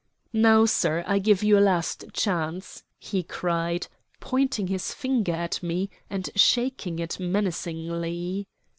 "Now, sir, I give you a last chance," he cried, pointing his finger at me and shaking it menacingly.